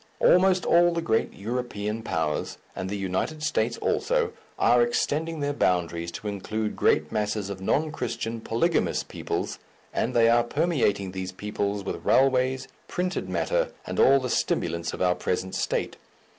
Almost all the great European Powers, and the United States also, are extending their boundaries to include great masses of non Christian polygamous peoples, and they are permeating these peoples with railways, printed matter, and all the stimulants of our present state.